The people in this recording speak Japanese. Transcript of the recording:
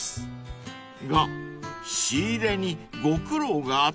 ［が仕入れにご苦労があったようで］